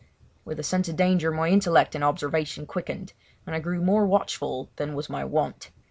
With a sense of danger my intellect and observation quickened, and I grew more watchful than was my wont.